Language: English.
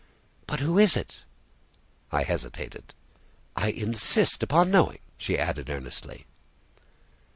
"But who is it?" I hesitated. "I insist upon knowing," she added earnestly.